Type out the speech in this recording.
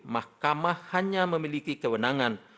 mahkamah hanya memiliki kewenangan